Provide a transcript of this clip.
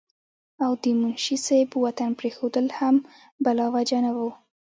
او د منشي صېب وطن پريښودل هم بلاوجه نه وو